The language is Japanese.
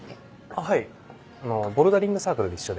あっはいボルダリングサークルで一緒で。